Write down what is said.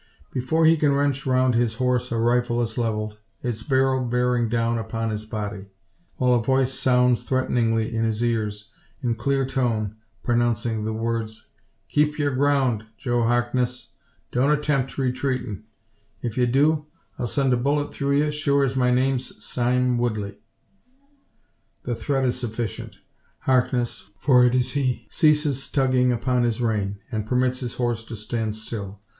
Before he can wrench round his horse a rifle is levelled, its barrel bearing upon his body; while a voice sounds threateningly in his ears, in clear tone, pronouncing the words, "Keep yur ground, Joe Harkness! Don't attempt retreetin'. If ye do, I'll send a bullet through ye sure as my name's Sime Woodley." The threat is sufficient. Harkness for it is he ceases tugging upon his rein, and permits his horse to stand still.